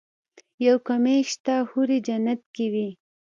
يو کمی شته حورې جنت کې وي.